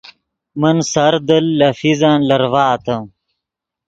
من سردل لے فیزن لرڤآتے